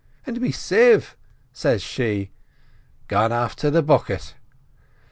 "'And me sieve?' says she. "'Gone afther the bucket.